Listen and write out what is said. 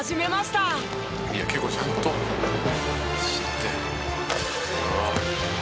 「いや結構ちゃんとしてる」